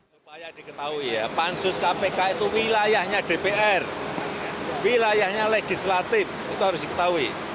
supaya diketahui ya pansus kpk itu wilayahnya dpr wilayahnya legislatif itu harus diketahui